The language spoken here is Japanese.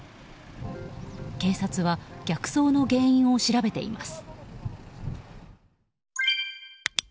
警察は逆走の原因を調べています。